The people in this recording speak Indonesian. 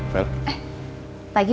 kan lama aja